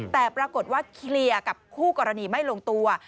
แต่ปรากฏว่าเคลียร์กับคู่กรณีไม่ลงตัว